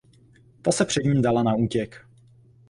Ta se před ním dala na útěk.